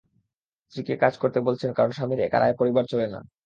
স্ত্রীকে কাজ করতে বলছেন কারণ স্বামীর একার আয়ে পরিবার চলে না।